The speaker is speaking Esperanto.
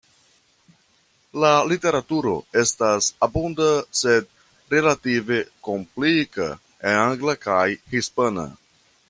La literaturo estas abunda sed relative komplika, en angla kaj hispana.